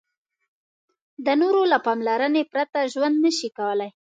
د نورو له پاملرنې پرته ژوند نشي کولای.